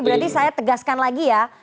berarti saya tegaskan lagi ya